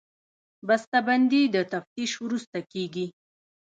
بسته بندي د تفتیش وروسته کېږي.